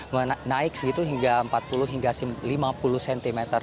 menaik segitu hingga empat puluh hingga lima puluh cm